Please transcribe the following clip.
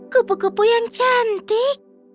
kupu kupu yang cantik